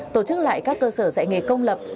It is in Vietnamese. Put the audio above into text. tổ chức lại các cơ sở dạy nghề công lập